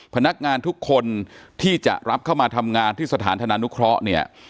พนักงานทุกคนที่จะรับเข้ามาทำงานที่สถานธนานุเคราะห์เนี่ย